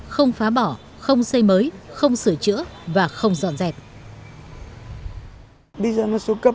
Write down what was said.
không phá bỏ không xây mới không sửa chữa và không dọn dẹp